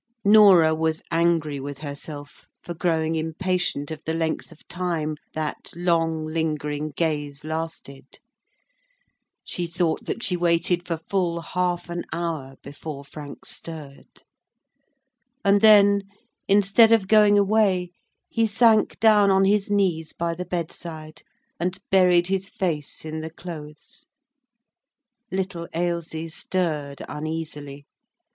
Norah was angry with herself for growing impatient of the length of time that long lingering gaze lasted. She thought that she waited for full half an hour before Frank stirred. And then—instead of going away—he sank down on his knees by the bedside, and buried his face in the clothes. Little Ailsie stirred uneasily.